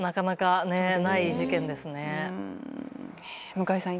向井さん。